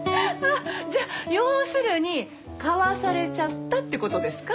じゃあ要するに買わされちゃったって事ですか？